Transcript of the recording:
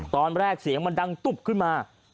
ตอนแรกเสียงมันดังตุ๊บขึ้นมา